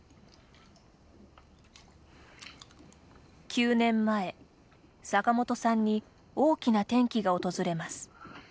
９年前、坂本さんに大きな転機が訪れます。